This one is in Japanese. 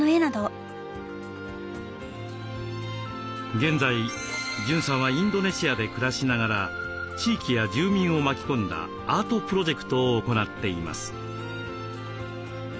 現在潤さんはインドネシアで暮らしながら地域や住民を巻き込んだアートプロジェクトを行っています。